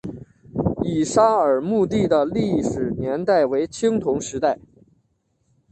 乙沙尔墓地的历史年代为青铜时代。